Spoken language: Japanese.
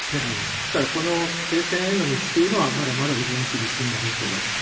ですから、この停戦への道というのは、まだまだ非常に厳しいんだろうと思います。